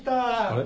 あれ？